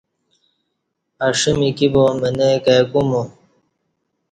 اݜہ میکی با منہ کای کومو